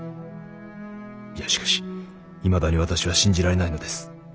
いやしかしいまだに私は信じられないのです。